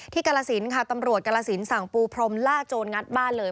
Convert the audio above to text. กรสินค่ะตำรวจกรสินสั่งปูพรมล่าโจรงัดบ้านเลย